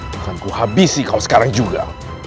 bukan ku habisi kau sekarang juga